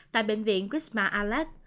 tại bệnh viện kusma alat